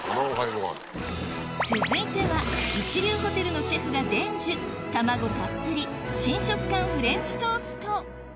続いては一流ホテルのシェフが伝授卵たっぷり新食感フレンチトースト